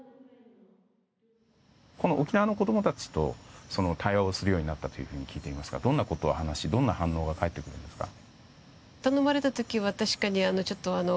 沖縄の子供たちと対話するようになったと聞いていますがどんなことを話しどんな反応が返ってくるんですか。